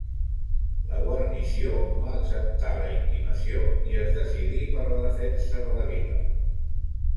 La guarnició no acceptà la intimació i es decidí per la defensa de la vila.